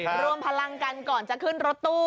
รวมพลังกันก่อนจะขึ้นรถตู้